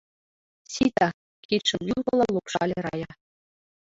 Сита! — кидшым ӱлкыла лупшале Рая.